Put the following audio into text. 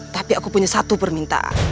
tapi aku punya satu permintaan